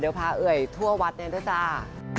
เดี๋ยวพาเอ่ยทั่ววัดนี้ด้วยจ้า